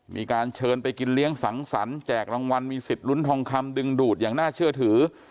มีการเชิญไปกินเลี้ยงสังสรรค์แจกรางวัลมีสิทธิ์ลุ้นทองคำดึงดูดอย่างน่าเชื่อถือ